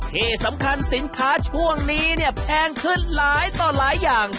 ที่สำคัญสินค้าช่วงนี้เนี่ยแพงขึ้นหลายต่อหลายอย่าง